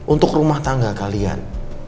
untuk rumah tangga kalian